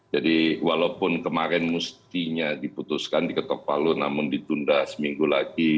jadi walaupun kemarin mustinya diputuskan di ketok palu namun ditunda seminggu lagi